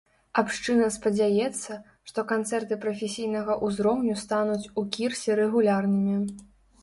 Абшчына спадзяецца, што канцэрты прафесійнага ўзроўню стануць у кірсе рэгулярнымі.